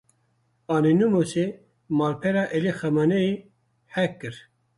Anonymousê malpera Elî Xamineyî hack kir.